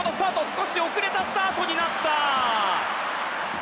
少し遅れたスタートになった。